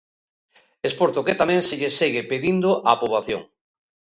Esforzo que tamén se lle segue pedindo á poboación.